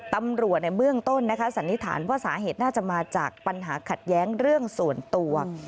ตำรวจในเบื้องต้นสันนิษฐานว่าสาเหตุน่าจะมาจากปัญหาขัดแย้งเรื่องส่วนตัว